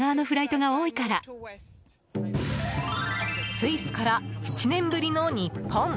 スイスから７年ぶりの日本。